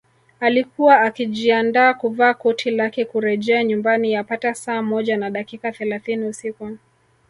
Alikuwa akijiandaa kuvaa koti lake kurejea nyumbani yapata saa moja na dakika thelathini usiku